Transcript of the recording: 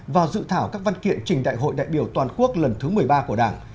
và dự thảo các văn kiện trình đại hội đại biểu toàn quốc lần thứ một mươi ba của đảng